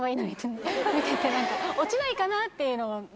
見てて落ちないかなっていうのを。